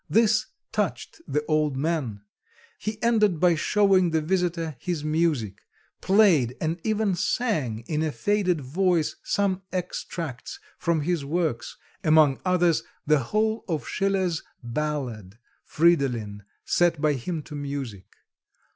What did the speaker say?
This touched the old man; he ended by showing the visitor his music, played and even sang in a faded voice some extracts from his works, among others the whole of Schiller's ballad, Fridolin, set by him to music.